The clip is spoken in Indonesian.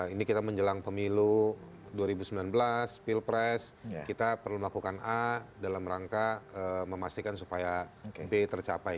ini kita menjelang pemilu dua ribu sembilan belas pilpres kita perlu melakukan a dalam rangka memastikan supaya b tercapai